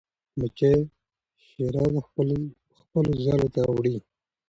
مچۍ شیره خپلو ځالو ته وړي.